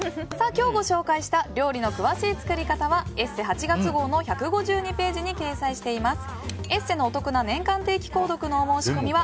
今日ご紹介した料理の詳しい作り方は「ＥＳＳＥ」８月号の１５２ページに掲載しています。